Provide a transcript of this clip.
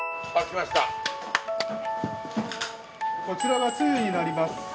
こちらがつゆになります。